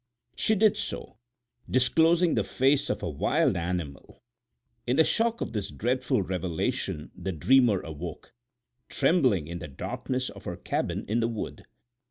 She did so, disclosing the face of a wild animal! In the shock of this dreadful revelation the dreamer awoke, trembling in the darkness of her cabin in the wood.